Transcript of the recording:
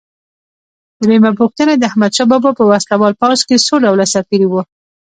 درېمه پوښتنه: د احمدشاه بابا په وسله وال پوځ کې څو ډوله سرتیري وو؟